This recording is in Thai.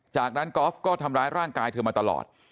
จากนั้นกอล์ฟก็ทำร้ายร่างกายเธอมาตลอด